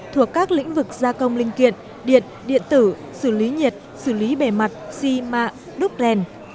thuộc các lĩnh vực gia công linh kiện điện điện tử xử lý nhiệt xử lý bề mặt xi mạ đúc đèn